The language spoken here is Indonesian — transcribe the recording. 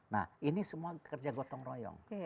nah ini semua kerja gotong royong